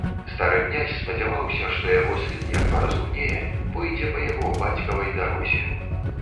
Стары князь спадзяваўся, што яго сын, як паразумнее, пойдзе па яго, бацькавай, дарозе.